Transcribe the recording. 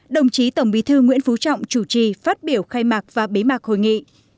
đồng chí tổng bí thư nguyễn phú trọng chủ trì phát biểu khai mạc và bế mạc hội nghị